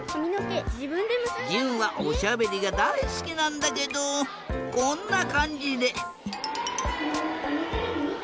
じゅんはおしゃべりがだいすきなんだけどこんなかんじで。